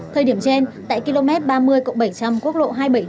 thời điểm trên tại km ba mươi cộng bảy trăm linh quốc lộ hai trăm bảy mươi chín